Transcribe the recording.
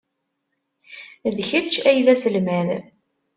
D kečč ay d aselmad.